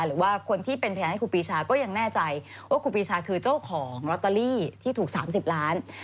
หรือว่าคนที่เป็นพยานให้ครูปีชาก็ยังแน่ใจว่าครูปีชาคือเจ้าของลอตเตอรี่ที่ถูก๓๐ล้าน